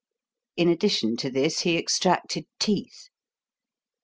In addition to this, he extracted teeth.